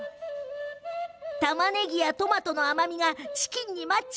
たまねぎやトマトの甘みがチキンにマッチ。